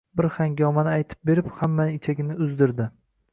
Bir hangomani aytib berib, hammaning ichagini uzdirdi